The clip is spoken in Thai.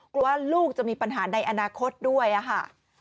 กลัวว่าลูกจะมีปัญหาในอนาคตด้วยค่ะ